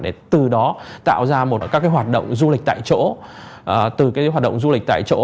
để từ đó tạo ra một hoạt động du lịch tại chỗ